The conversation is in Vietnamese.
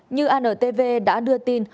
như antv đã đưa tin